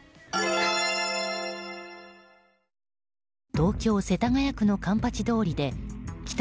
東京・世田谷区の環八通りで帰宅